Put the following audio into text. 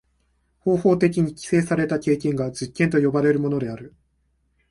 方法的に規制された経験が実験と呼ばれるものである。